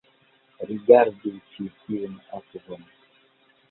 Rigardu ĉi tiun akvon